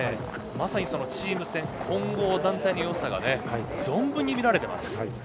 まさにチーム戦混合団体のよさが存分に見られています。